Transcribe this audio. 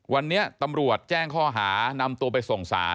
วันนี้ตำรวจแจ้งข้อหานำตัวไปส่งสาร